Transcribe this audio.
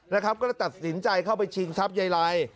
นะครับก็ตัดสินใจเข้าไปชิงทรัพย์ใยลัย